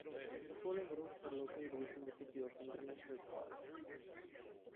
The following routes are located within the city of International Falls.